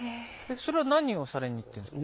それは何をされに行ってるんですか？